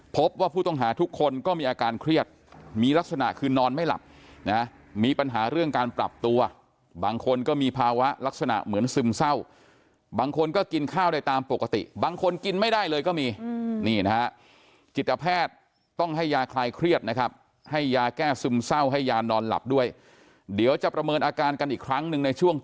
พบว่าผู้ต้องหาทุกคนก็มีอาการเครียดมีลักษณะคือนอนไม่หลับนะมีปัญหาเรื่องการปรับตัวบางคนก็มีภาวะลักษณะเหมือนซึมเศร้าบางคนก็กินข้าวได้ตามปกติบางคนกินไม่ได้เลยก็มีนี่นะฮะจิตแพทย์ต้องให้ยาคลายเครียดนะครับให้ยาแก้ซึมเศร้าให้ยานอนหลับด้วยเดี๋ยวจะประเมินอาการกันอีกครั้งหนึ่งในช่วง